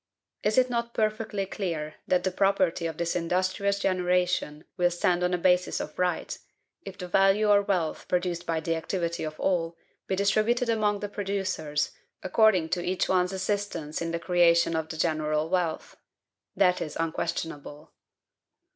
Is it not perfectly clear that the property of this industrious generation will stand on a basis of right, if the value or wealth produced by the activity of all be distributed among the producers, according to each one's assistance in the creation of the general wealth? That is unquestionable."